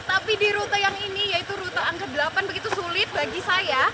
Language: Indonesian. tapi di rute yang ini yaitu rute angka delapan begitu sulit bagi saya